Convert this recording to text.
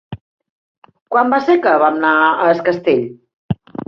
Quan va ser que vam anar a Es Castell?